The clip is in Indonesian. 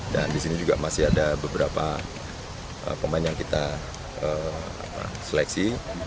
dan disini juga masih ada beberapa komain yang kita seleksi